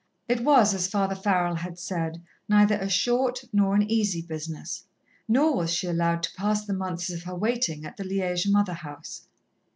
It was as Father Farrell had said, neither a short nor an easy business, nor was she allowed to pass the months of her waiting at the Liège Mother house.